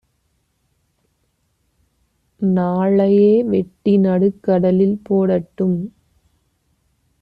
நாளையே வெட்டி நடுக்கடலில் போடட்டும்